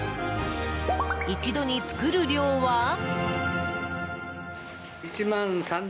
一度に作る量は。